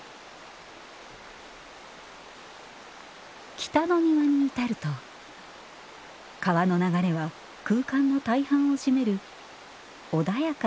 北の庭に至ると川の流れは空間の大半を占める穏やかな大河となっていきます